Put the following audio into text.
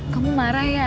kamu marah ya